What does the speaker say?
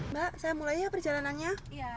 mbak saya mulai ya perjalanannya